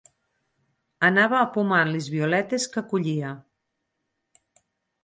Anava apomant les violetes que collia.